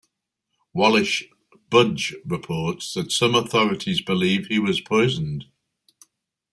Wallis Budge reports that some authorities believe he was poisoned.